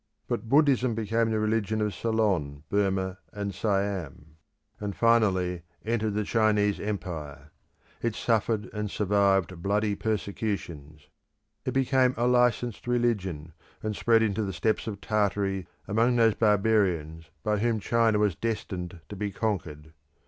But Buddhism became the religion of Ceylon, Burmah, and Siam, and finally entered the Chinese Empire. It suffered and survived bloody persecutions. It became a licensed religion, and spread into the steppes of Tartary among those barbarians by whom China was destined to be conquered.